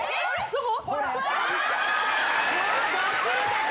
どこ？